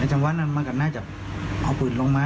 จำวัดนั้นมันก็น่าจะเอาปืนลงมา